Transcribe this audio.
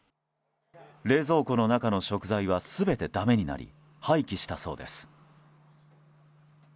冷蔵庫の中の食材は全てだめになり廃棄したそうです。